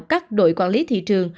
các đội quản lý thị trường